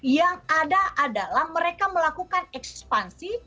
yang ada adalah mereka melakukan ekspansi